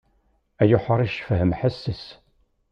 Ay uḥric fhem ḥesses.